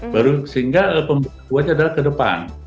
sehingga kekuatannya adalah ke depan